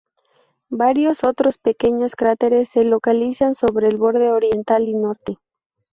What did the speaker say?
Varios otros pequeños cráteres se localizan sobre el borde oriental y norte.